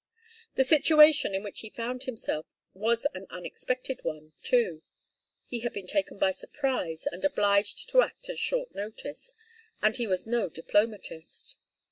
The situation in which he found himself was an unexpected one, too. He had been taken by surprise and obliged to act at short notice, and he was no diplomatist.